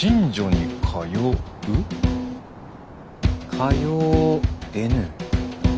通えぬ。